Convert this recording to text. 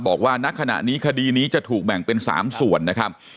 ณขณะนี้คดีนี้จะถูกแบ่งเป็น๓ส่วนนะครับ